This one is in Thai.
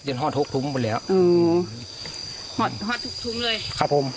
ยังฝนถูกถุ้มไปแล้วเอิเหินห้็ตรุกถุ้มเลยครับผม